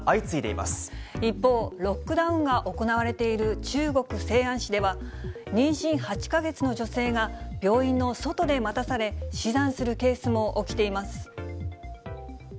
一方、ロックダウンが行われている中国・西安市では、妊娠８か月の女性が、病院の外で待たされ、死産するケースも起きています。